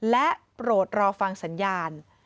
และโปรดรอฟังสัญญาณ